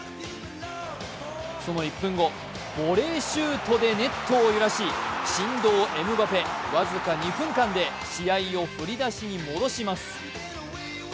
その１分後、ボレーシュートでネットを揺らし、神童・エムバペ、僅か２分間で試合を降り出しに戻します。